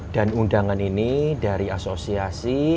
dan undangan ini dari asosiasi